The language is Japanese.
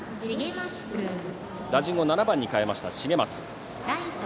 打順を７番に変えました重舛。